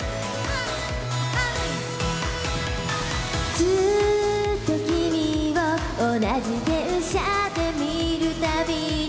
「ずっとキミを同じ電車で見るたびに」